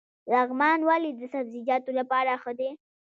لغمان ولې د سبزیجاتو لپاره ښه دی؟